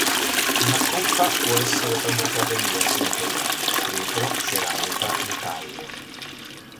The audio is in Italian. Una coppa può essere fabbricata in diversi materiali: vetro, ceramica, metallo.